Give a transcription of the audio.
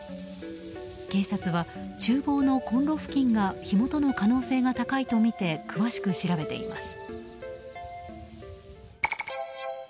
警察は、厨房のコンロ付近が火元の可能性が高いとみて詳しく調べています。